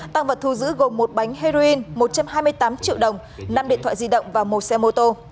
tăng vật thu giữ gồm một bánh heroin một trăm hai mươi tám triệu đồng năm điện thoại di động và một xe mô tô